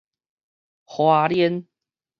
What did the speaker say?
花蓮